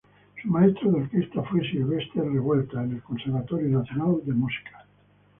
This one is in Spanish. Su maestro de orquesta fue Silvestre Revueltas en el Conservatorio Nacional de Música.